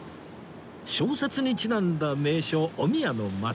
小説にちなんだ名所お宮の松